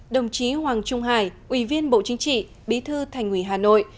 đồng chí hoàng trung hải ủy viên bộ chính trị bí thư thành ủy hà nội